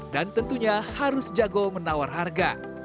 tentunya harus jago menawar harga